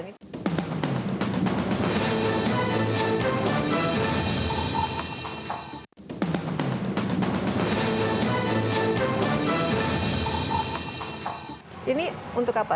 ini untuk apa